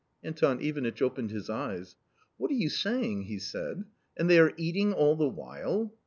Anton Ivanitch opened his eyes. " What are you saying !" he said, " and they are eating all the while